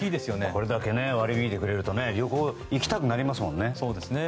これだけ割り引いてくれると旅行に行きたくなりますよね。